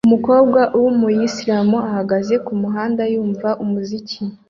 Umukobwa wumuyisilamu ahagaze kumuhanda yumva umuziki